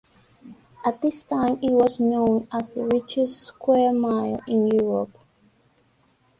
At this time it was known as the 'richest square mile in Europe'.